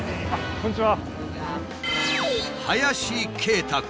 こんにちは。